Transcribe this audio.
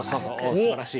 すばらしい！